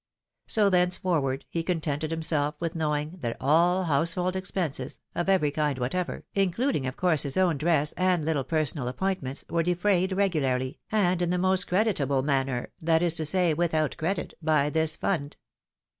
So thenceforward he contented himself with knowing that all household expenses, of every kind whatever, including of course his own dress and httle personal appoint ments, were defrayed regularly, and in the most creditable man , ner, that is to say, without credit, by this fund.